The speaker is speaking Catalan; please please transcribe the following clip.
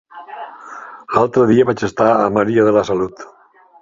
L'altre dia vaig estar a Maria de la Salut.